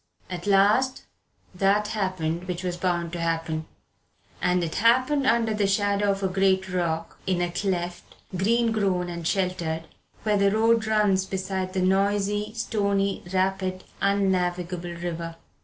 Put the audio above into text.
At last that happened which was bound to happen. And it happened under the shadow of a great rock, in a cleft, green grown and sheltered, where the road runs beside the noisy, stony, rapid, unnavigable river.